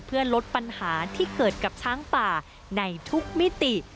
เพื่อลดปัญหาที่เกิดกับช้างป่าในทุกมิติ